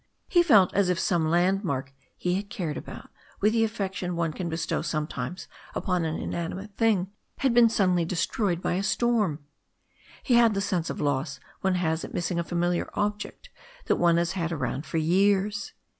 He felt as if some landmark he had cared about with the affection one can bestow sometimes upon an inani mate thing had been suddenly destroyed by a storm. He had the sense of loss one has at missing a familiar object that one has had around for years.